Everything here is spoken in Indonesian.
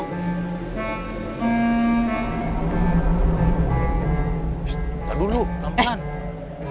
kita dulu rambusan